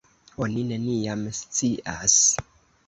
Oni neniam scias.